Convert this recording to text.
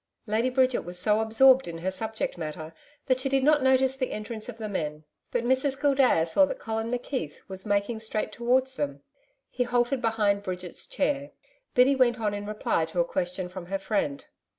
Lady Bridget was so absorbed in her subject matter that she did not notice the entrance of the men; but Mrs Gildea saw that Colin McKeith was making straight towards them. He halted behind Bridget's chair. Biddy went on in reply to a question from her friend.